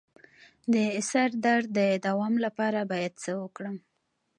د سر درد د دوام لپاره باید څه وکړم؟